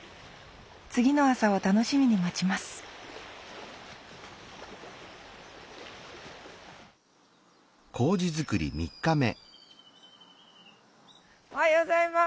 次の朝を楽しみに待ちますおはようございます。